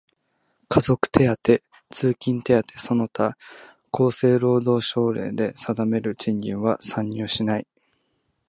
家族手当、通勤手当その他厚生労働省令で定める賃金は算入しない。